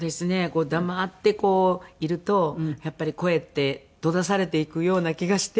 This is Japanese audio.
こう黙っているとやっぱり声って閉ざされていくような気がして。